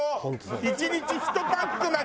１日１パックまで。